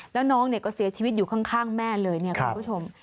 แล้วน้องเนี่ยก็เสียชีวิตอยู่ข้างแม่เลยเนี่ยคุณผู้ชม